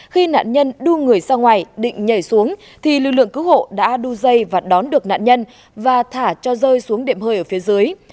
khi nạn nhân đưa người ra ngoài định nhảy xuống thì lực lượng cứu hộ đã đu dây và đón được nạn nhân và thả cho rơi xuống đệm hơi ở phía dưới